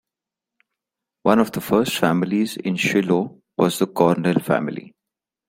One of the first families in Shiloh was the Cornell family.